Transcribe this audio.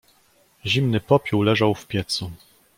"Zimny popiół leżał w piecu."